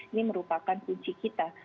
ini merupakan kunci kita